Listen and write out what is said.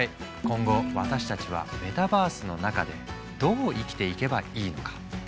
今後私たちはメタバースの中でどう生きていけばいいのか。